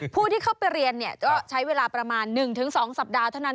ผู้ที่เข้าไปเรียนก็ใช้เวลาประมาณ๑๒สัปดาห์เท่านั้น